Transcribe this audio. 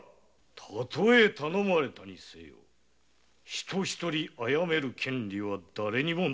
たとえ頼まれたにせよ人を殺める権利はだれにもない。